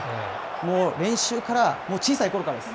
もう練習から、もう小さいころからです。